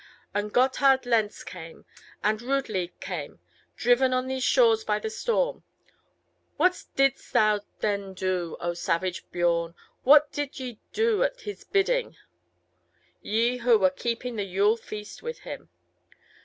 And Gotthard Lenz came, and Rudlieb came, driven on these shores by the storm. What didst thou then do, O savage Biorn? What did ye do at his bidding, ye who were keeping the Yule feast with him?